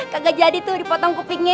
kagak jadi tuh dipotong kupingnya